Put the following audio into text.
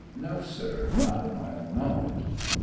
No, sir ; not of my own knowledge.